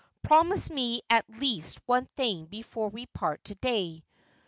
Promise me at least one thing before we part to day.